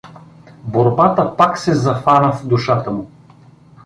Борбата пак се зафана в душата му.